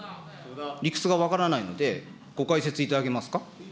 理屈が分からないので、ご解説いただけますか。